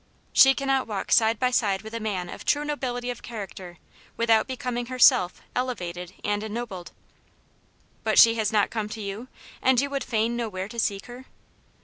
She cannot walk side by side with a man of true nobility of character without becoming herself elevated and ennobled. But she has not come to you, and you would fain know where to seek her